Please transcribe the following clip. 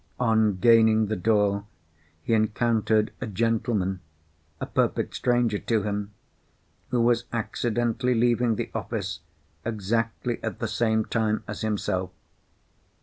On gaining the door, he encountered a gentleman—a perfect stranger to him—who was accidentally leaving the office exactly at the same time as himself.